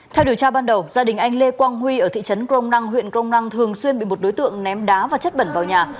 theo điều tra ban đầu gia đình anh lê quang huy ở thị trấn crom năng huyện crong năng thường xuyên bị một đối tượng ném đá và chất bẩn vào nhà